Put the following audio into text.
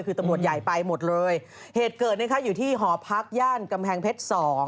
คือตำรวจใหญ่ไปหมดเลยเหตุเกิดนะคะอยู่ที่หอพักย่านกำแพงเพชรสอง